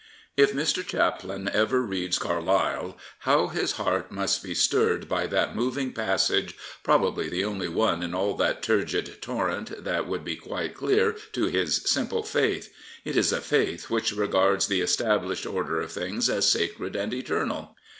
If Mr. Chaplin ever reads Carlyle, how his heart must be stirred by that moving passage, probably the only one in all that turgid torrent that would be quite clear to his simple faith! It is a faith which regards the established order of things as sacred and eternal.